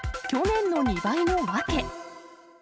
去年の２倍の訳。